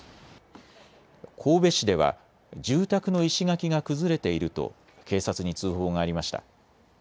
神戸市では住宅の石垣が崩れていると警察に通報がありました。